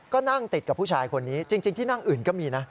ก็นั่งติดกับผู้ชายคนนี้จริงที่นั่งอื่นก็มีนะ